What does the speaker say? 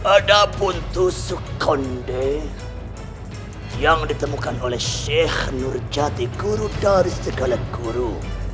ada puntusuk konde yang ditemukan oleh sheikh nurjati guru dari segala guru